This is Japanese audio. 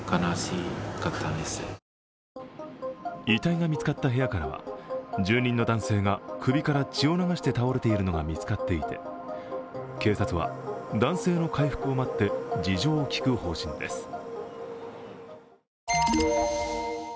遺体が見つかった部屋からは、住人の男性が首から血を流して倒れているのが見つかっていて、警察は男性の回復を待って事情を聞く方針です。